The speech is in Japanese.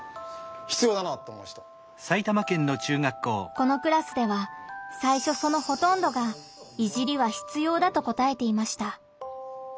このクラスではさいしょそのほとんどが「いじり」は必要だと答えていました。